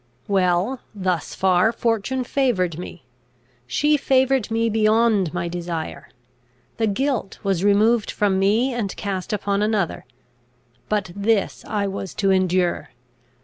"Well, thus far fortune favoured me; she favoured me beyond my desire. The guilt was removed from me, and cast upon another; but this I was to endure.